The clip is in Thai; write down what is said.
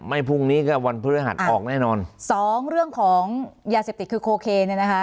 พรุ่งนี้ก็วันพฤหัสออกแน่นอนสองเรื่องของยาเสพติดคือโคเคเนี่ยนะคะ